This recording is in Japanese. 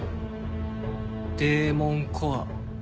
デーモン・コア。